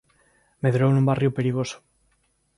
Medrou nun barrio perigoso.